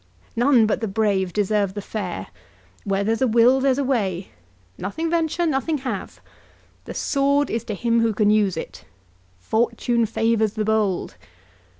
"None but the brave deserve the fair." "Where there's a will there's a way." "Nothing venture nothing have." "The sword is to him who can use it." "Fortune favours the bold."